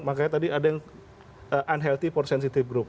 makanya tadi ada yang unhalthy for sensitive group